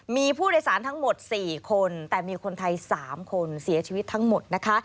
มีผู้โดยสารทั้งหมด๔คนแต่มีคนไทย๓คนเสียชีวิตทั้งหมดนะคะ